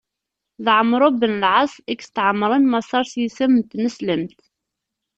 D Ɛemru ben Lɛaṣ i yestɛemren Maṣer s yisem n tneslemt.